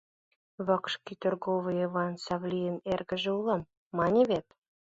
Вакш кӱ торговой Эвай Савлийын эргыже улам, мане вет?